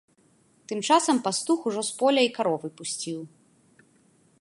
Тым часам пастух ужо з поля й каровы пусціў.